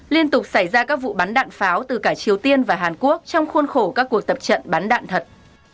liên tục xảy ra các vụ bắn đạn pháo từ cả triều tiên và hàn quốc trong khuôn khổ các cuộc tập trận bắn đạn thật